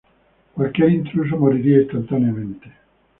Cualquier intruso moriría instantáneamente.